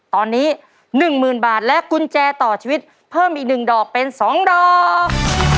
ตอนนี้๑๐๐๐บาทและกุญแจต่อชีวิตเพิ่มอีก๑ดอกเป็น๒ดอก